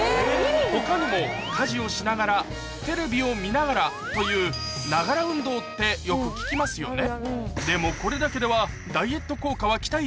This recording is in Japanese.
他にも家事をしながらテレビを見ながらというながら運動ってよく聞きますよね